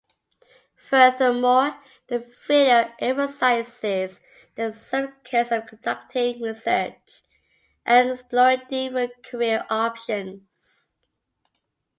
Furthermore, the video emphasizes the significance of conducting research and exploring different career options.